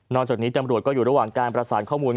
จากนี้ตำรวจก็อยู่ระหว่างการประสานข้อมูล